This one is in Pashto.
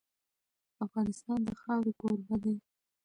افغانستان د خاوره کوربه دی.